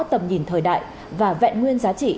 tầm nhìn thời đại và vẹn nguyên giá trị